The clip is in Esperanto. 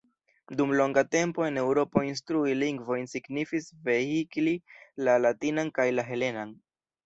Dum longa tempo en Eŭropo instrui lingvojn signifis vehikli la latinan kaj la helenan.